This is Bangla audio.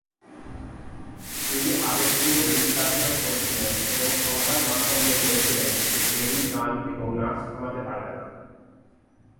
তিনি আবেগপূর্ণ নৃত্যাভিনয় করেছিলেন এবং সংবাদ মাধ্যমকে বলেছিলেন যে কেউই গান এবং নাচ থামাতে পারবে না।